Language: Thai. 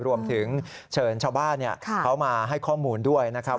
รวมถึงเชิญชาวบ้านเขามาให้ข้อมูลด้วยนะครับ